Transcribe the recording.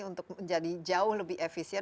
untuk menjadi jauh lebih efisien